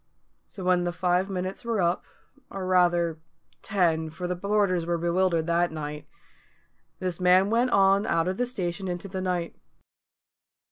So when the five minutes were up or rather, ten, for the porters were bewildered that night this man went on out of the station into the night.